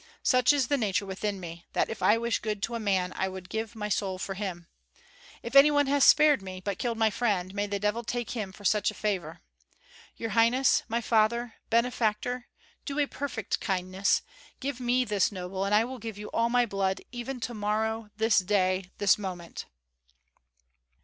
Such is the nature within me, that if I wish good to a man I would give my soul for him. If any one has spared me, but killed my friend, may the devil take him for such a favor! Your highness, my father, benefactor, do a perfect kindness, give me this noble, and I will give you all my blood, even tomorrow, this day, this moment!"